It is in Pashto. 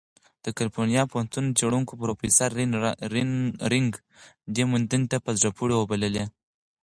د کلیفورنیا پوهنتون څېړونکی پروفیسر رین نګ دې موندنې ته "په زړه پورې" وبللې.